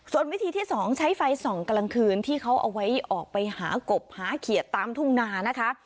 ส่วนวิธีที่๒ใช้ไฟส่องกลางคืนที่เขาเอาไว้ออกไปหากบหาเขียดตามทุ่งนานะคะ